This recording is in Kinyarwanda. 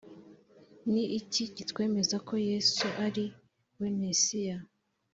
Ni iki kitwemeza ko Yesu ari we Mesiya